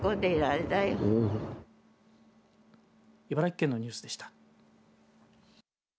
茨城県のニュースでした。